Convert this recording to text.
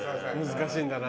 難しいんだな。